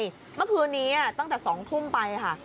เมื่อคืนนี้ตั้งแต่๒ทุ่มไปค่ะ